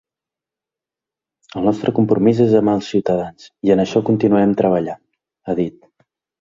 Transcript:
El nostre compromís és amb els ciutadans i en això continuarem treballant, ha dit.